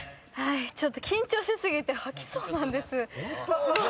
ちょっと緊張し過ぎて吐きそうなんです。